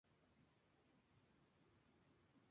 Las competiciones se llevaron a cabo en la Arena de Budapest.